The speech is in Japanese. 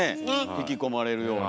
引き込まれるような。